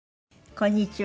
こんにちは。